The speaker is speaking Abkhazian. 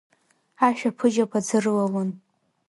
Ашәаԥыџьаԥ аӡы рылалон.